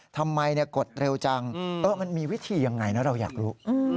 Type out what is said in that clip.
ทำไมกดเร็วจังมันมีวิธียังไงนะเราอยากรู้